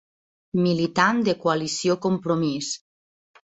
Militant de Coalició Compromís.